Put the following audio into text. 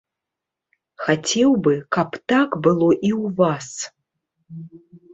Хацеў бы, каб так было і ў вас.